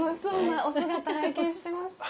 お姿拝見してます。